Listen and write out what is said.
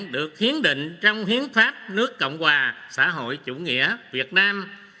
và nhiệm vụ được khiến định trong hiến pháp nước cộng hòa xã hội chủ nghĩa việt nam